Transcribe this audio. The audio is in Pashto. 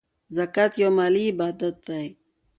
زکات یو مالی عبادت دی .